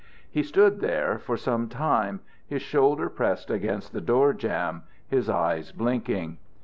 He stood there for some time, his shoulder pressed against the door jamb, his eyes blinking.